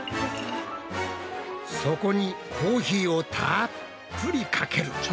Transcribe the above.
そこにコーヒーをたっぷりかける。